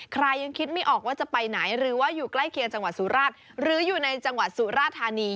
ยังคิดไม่ออกว่าจะไปไหนหรือว่าอยู่ใกล้เคียงจังหวัดสุราชหรืออยู่ในจังหวัดสุราธานี